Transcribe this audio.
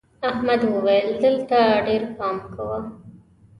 احمد وويل: دلته ډېر پام کوه.